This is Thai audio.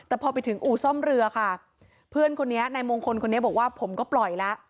แต่พอไปถึงอู่ซ่อมเรือค่ะเพื่อนคนนี้นายมงคลคนนี้บอกว่าผมก็ปล่อยแล้ว